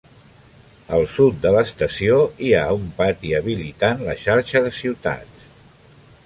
Al sud de l'estació hi ha un pati habilitant la xarxa de ciutats.